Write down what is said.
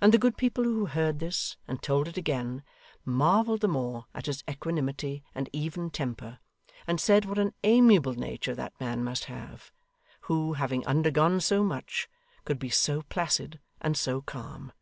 And the good people who heard this and told it again, marvelled the more at his equanimity and even temper, and said what an amiable nature that man must have, who, having undergone so much, could be so placid and so calm.